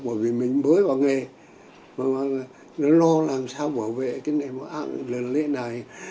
bởi vì mình mới vào nghề nó lo làm sao bảo vệ lễ đài